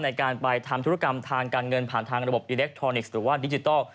ในการไปทำธุรกรรมทางการเงินผ่านทางระบบอิเล็กทรอนิกส์หรือว่าดิจิทัล